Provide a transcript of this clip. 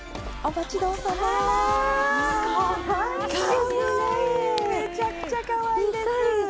めちゃくちゃかわいいです。